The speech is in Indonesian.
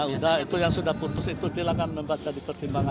udah itu yang sudah putus itu silahkan membaca di pertimbangan